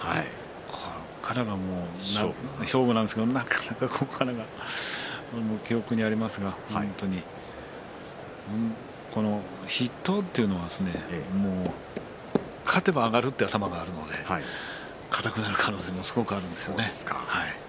ここからが勝負なんですけどなかなかここからが僕も記憶にありますが、本当に筆頭というのはですね勝てば上がるという頭があるので硬くなる可能性がすごくあるんですよね。